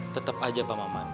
tetap aja pak maman